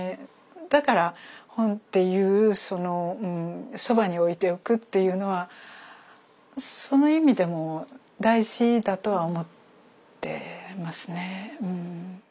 だから本っていうそのそばに置いておくっていうのはその意味でも大事だとは思ってますね。